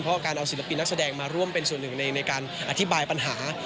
เพราะการเอาศิลปินนักแสดงมาร่วมเป็นส่วนหนึ่งในการอธิบายปัญหา